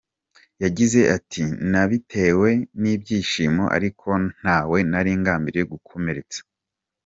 Yagize ati “Nabitewe n’ibyishimo ariko ntawe naringambiriye gukomeretsa.